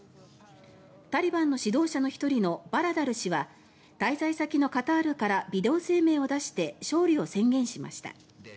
タリバンの指導者の１人のバラダル師は滞在先のカタールからビデオ声明を出して勝利を宣言しました。